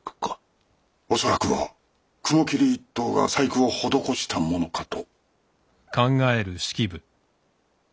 恐らくは雲霧一党が細工を施したものかと。